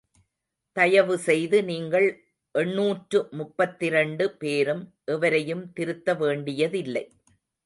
தயவு செய்து நீங்கள் எண்ணூற்று முப்பத்திரண்டு பேரும் எவரையும் திருத்த வேண்டியதில்லை.